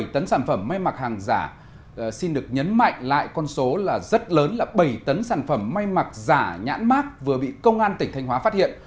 bảy tấn sản phẩm may mặc hàng giả xin được nhấn mạnh lại con số là rất lớn là bảy tấn sản phẩm may mặc giả nhãn mát vừa bị công an tỉnh thanh hóa phát hiện